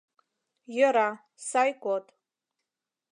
Йӧра, сай код!